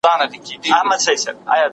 خلګ د خپل کار له لاري ملکیت ترلاسه کوي.